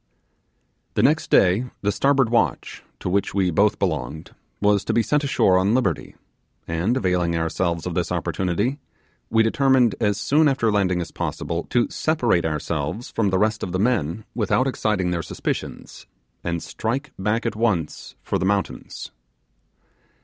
The next day the starboard watch, to which we both belonged, was to be sent ashore on liberty; and, availing ourselves of this opportunity, we determined, as soon after landing as possible, to separate ourselves from the rest of the men without exciting their suspicions, and strike back at once for the mountains.